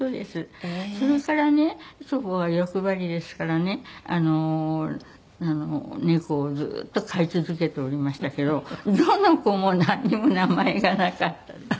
それからね祖母は欲張りですからね猫をずっと飼い続けておりましたけどどの子もなんにも名前がなかったです。